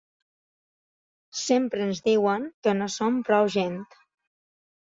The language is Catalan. Sempre ens diuen que no som prou gent.